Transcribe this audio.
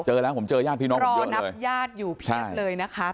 เจอแล้วผมเจอญาติพี่น้องรอนับญาติอยู่เพียบเลยนะคะ